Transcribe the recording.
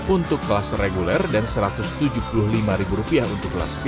untuk kelas reguler dan satu ratus tujuh puluh lima ribu rupiah untuk kelas vip